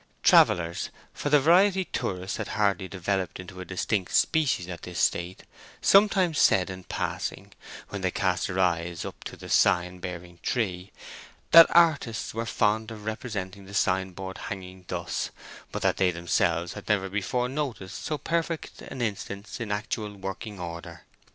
Travellers—for the variety tourist had hardly developed into a distinct species at this date—sometimes said in passing, when they cast their eyes up to the sign bearing tree, that artists were fond of representing the signboard hanging thus, but that they themselves had never before noticed so perfect an instance in actual working order.